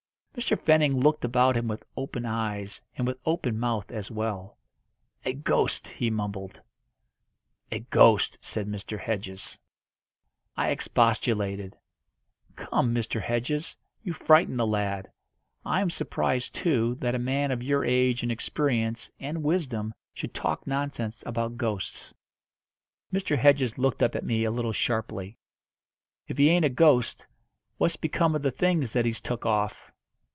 Mr. Fenning looked about him with open eyes, and with open mouth as well. "A ghost!" he mumbled. "A ghost!" said Mr. Hedges. I expostulated. "Come, Mr. Hedges, you frighten the lad. I am surprised, too, that a man of your age and experience and wisdom should talk nonsense about ghosts." Mr. Hedges looked up at me a little sharply. "If he ain't a ghost, what's become of the things that he's took off?"